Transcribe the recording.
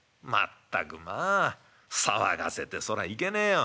「全くまあ騒がせてそらいけねえよ。